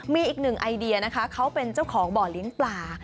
มีอีกหนึ่งไอเดียนะคะเขาเป็นเจ้าของบ่อเลี้ยงปลา